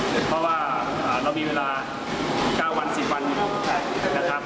เพราะว่าเรามีเวลาติดปลด๙๑๐วันนะครับ